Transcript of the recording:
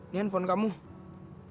nih handphone kamu aku balikin